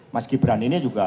mas gibran ini juga